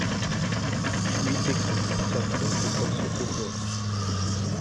Huit équipes s'affrontent dans ce tournoi.